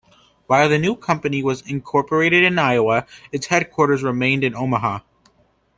While the new company was incorporated in Iowa, its headquarters remained in Omaha.